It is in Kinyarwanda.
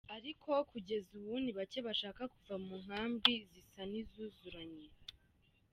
"Ariko kugeza ubu ni bake bashaka kuva mu nkambi, zisa n’izuzuranye.